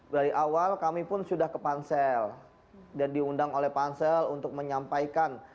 dari awal kami pun sudah ke pansel dan diundang oleh pansel untuk menyampaikan